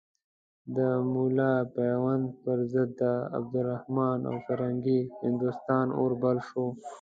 د ملا پوونده پر ضد د عبدالرحمن او فرنګي هندوستان اور بل شو.